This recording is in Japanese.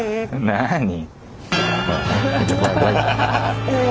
なに。